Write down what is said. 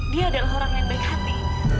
dia adalah orang yang baik hati